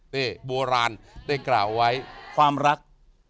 นี่โบราณได้กล่าวไว้ความรัก